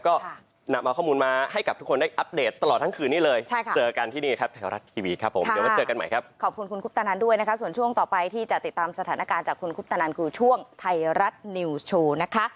กรีมคนมาให้กับทุกคนได้อัพเดทตลอดทั้งคืนนี้เลยเจอกันที่นี้ครับภาครัชทีวีครับผมจากเดี๋ยวค่ะให้ครับขอบคุณภาคอัพภาคหนั่นด้วยนะฮะส่วนช่วงต่อไปที่จะติดตามสถานการณ์จากกลูช่วงไทรัตนียวชู่นะคะ